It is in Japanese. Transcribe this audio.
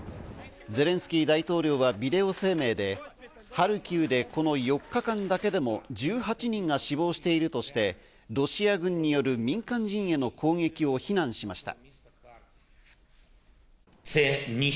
ゼレンスキー大統領はビデオ声明で、ハルキウでこの４日間だけでも１８人が死亡しているとして、ロシア軍による民間人への攻撃を非難しました。